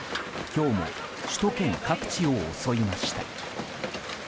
今日も首都圏各地を襲いました。